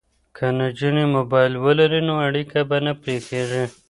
که نجونې موبایل ولري نو اړیکه به نه پرې کیږي.